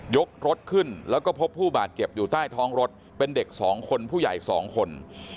ยกรถขึ้นแล้วก็พบผู้บาดเจ็บอยู่ใต้ท้องรถเป็นเด็ก๒คนผู้ใหญ่๒คน